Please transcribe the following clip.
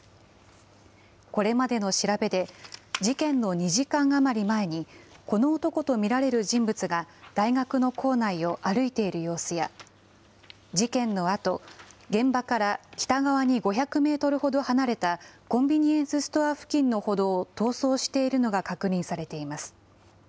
これまでの調べで、事件の２時間余り前に、この男と見られる人物が大学の構内を歩いている様子や、事件のあと、現場から北側に５００メートルほど離れた、コンビニエンスストア付近の歩道を逃走しているのが確認されています。